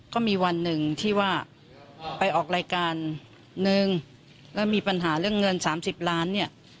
ก็มีวันหนึ่งที่ว่าไปออกรายการนึงแล้วมีปัญหาเรื่องเงิน๓๐ล้านเนี่ย